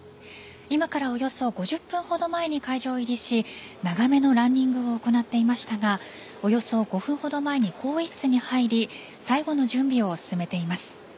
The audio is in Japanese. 今からおよそ５０分ほど前に会場入りし長めのランニングを行っていましたがおよそ５分ほど前に更衣室に入り最後の準備を進めています。